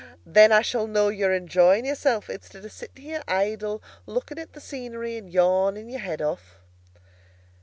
Then I shall know you're enjoying yourself, instead of sitting here idle, looking at the scenery and yawning your head off."